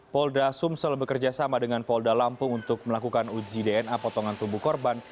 polda sumsel bekerja sama dengan polda lampung untuk melakukan uji dna potongan tubuh korban